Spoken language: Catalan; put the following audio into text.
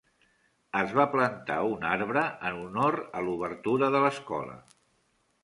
Es va plantar un arbre en honor a l'obertura de l'escola.